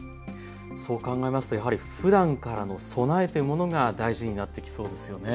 そう考えますとやはり、ふだんからの備えというものが大事になってきそうですよね。